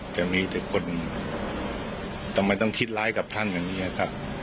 แต่มีแต่คนทำไมต้องคิดร้ายกับท่านอย่างนี้ครับ